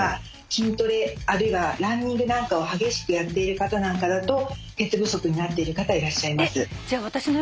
筋トレあるいはランニングなんかを激しくやっている方なんかだと鉄不足になっている方いらっしゃいます。